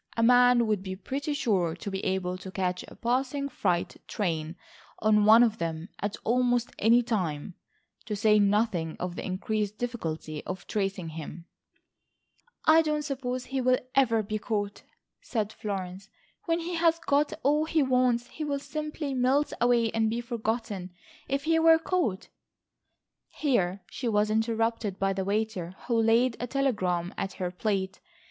A man would be pretty sure to be able to catch a passing freight train on one of them at almost any time, to say nothing of the increased difficulty of tracing him." "I don't suppose he will ever be caught," said Florence. "When he has got all he wants he will simply melt away and be forgotten. If he were caught—" Here she was interrupted by the waiter who laid a telegram at her plate.